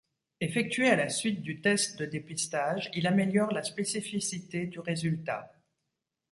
Effectué à la suite du test de dépistage, il améliore la spécificité du résultat.